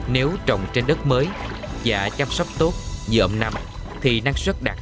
nếu trồng trên đất mới và chăm sóc tốt dợm nằm thì năng suất đạt đến năm mươi sáu mươi ngàn gương sen một hectare